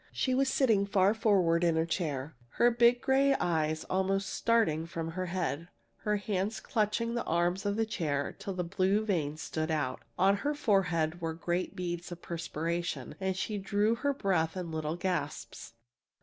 She was sitting far forward in her chair, her big gray eyes almost starting from her head, her hands clutching the arms of the chair till the blue veins stood out. On her forehead were great beads of perspiration, and she drew her breath in little gasps.